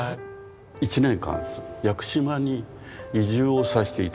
１年間屋久島に移住をさせて頂いて。